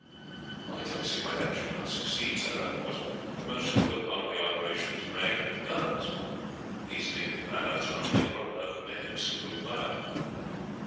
"I don't see why that should not succeed, sir. Of course the most difficult part of the operation is dragging the guns. These native paths are only broad enough for men in single file."